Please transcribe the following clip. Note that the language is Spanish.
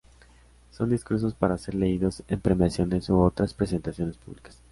Son discursos para ser leídos en premiaciones u otras presentaciones públicas.